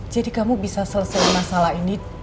jadi kamu bisa selesai masalah ini